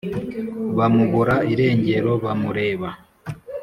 Bamubura irengero bamureba.